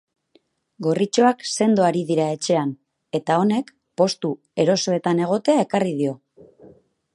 Gorritxoak sendo ari dira etxean eta honek postu erosoetan egotea ekarri dio.